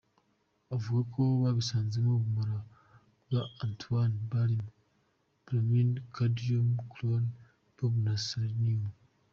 Avuga ko babisanzemo ubumara bwa antimoine, barium, bromine, cadmium, chrome, plomb na selenium.